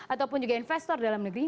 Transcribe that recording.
ataupun juga investor dalam negeri